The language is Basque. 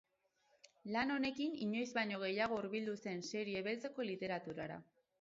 Lan honekin inoiz baino gehiago hurbildu zen serie beltzeko literaturara.